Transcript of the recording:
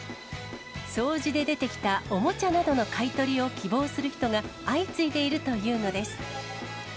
掃除で出てきたおもちゃなどの買い取りを希望する人が相次いでいるというのです。